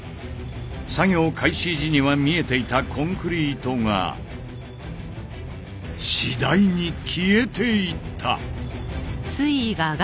作業開始時には見えていたコンクリートが次第に消えていった！